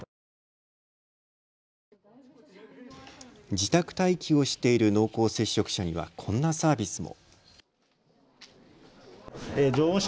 自宅待機をしている濃厚接触者にはこんなサービスも。